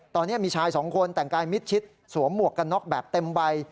ตอนนี้มีชายสองคนแต่งกายมิดชิดสวมหมวกกันน็อกแบบเต็มใบ